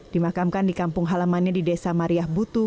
dimakamkan di kampung halamannya di desa mariah butuh